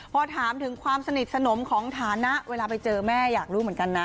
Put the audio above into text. พอถามถึงความสนิทสนมของฐานะเวลาไปเจอแม่อยากรู้เหมือนกันนะ